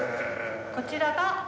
こちらが。